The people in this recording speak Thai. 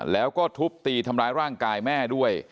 แล้วก็ทุบตีทำร้ายร่างกายแม่ด้วย